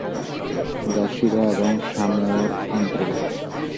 জাসীরা এবং শামও-এর অন্তর্ভুক্ত।